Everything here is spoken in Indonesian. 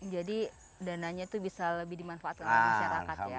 jadi dananya itu bisa lebih dimanfaatkan oleh masyarakat ya